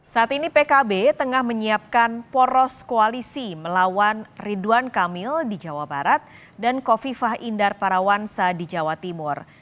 saat ini pkb tengah menyiapkan poros koalisi melawan ridwan kamil di jawa barat dan kofifah indar parawansa di jawa timur